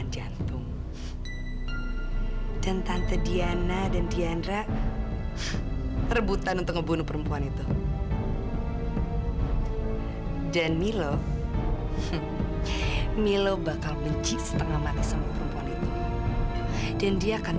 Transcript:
jangan kemana mana nanti malam kita akan bahas soal ini ya